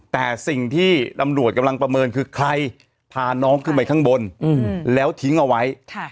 แต่สิ่งที่ตำรวจกำลังประเมินคือใครพาน้องขึ้นไปข้างบนแล้วทิ้งเอาไว้